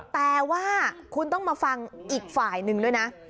แต่ว่าคุณต้องมาฟังอีกฝ่ายหนึ่งด้วยนะ